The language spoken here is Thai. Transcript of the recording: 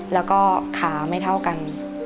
แล้วก็ขาไม่เท่ากัน